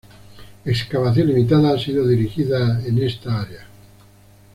Excavación limitada ha sido dirigida en esta área.